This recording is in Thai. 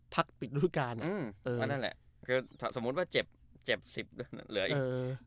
พักปิดดูการอืมเออนั่นแหละคือสมมุติว่าเจ็บเจ็บสิบเหลืออีกเออ